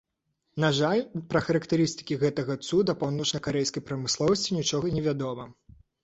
На жаль, пра характарыстыкі гэтага цуда паўночнакарэйскай прамысловасці нічога невядома.